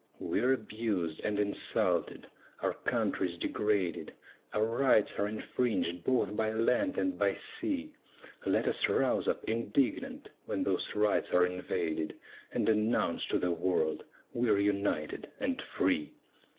We're abused and insulted, our country's degraded, Our rights are infringed both by land and by sea; Let us rouse up, indignant, when those rights are invaded, And announce to the world, "We're united and free!"